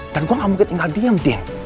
dan gue gak mungkin tinggal diem din